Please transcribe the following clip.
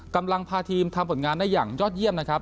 กำลังพาทีมทำผลงานได้อย่างยอดเยี่ยมนะครับ